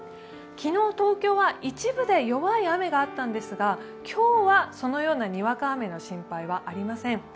昨日東京は一部で弱い雨があったんですが今日はそのような、にわか雨の心配はありません。